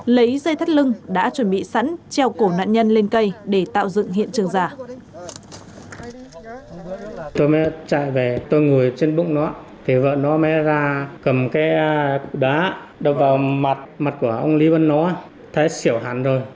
lấy dây thắt lưng đã chuẩn bị sẵn treo cổ nạn nhân lên cây để tạo dựng hiện trường giả